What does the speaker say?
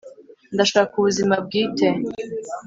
ndashaka ubuzima bwite